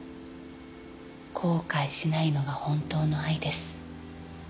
後悔しないのが本当の愛です